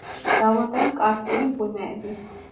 მრავლადაა კარსტული მღვიმეები.